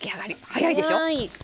早いでしょ！